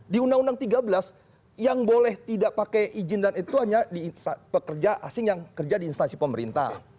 di undang undang tiga belas yang boleh tidak pakai izin dan itu hanya pekerja asing yang kerja di instansi pemerintah